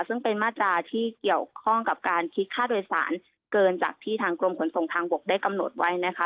ซึ่งเป็นมาตราที่เกี่ยวข้องกับการคิดค่าโดยสารเกินจากที่ทางกรมขนส่งทางบกได้กำหนดไว้นะคะ